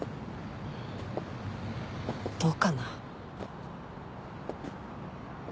どうかな。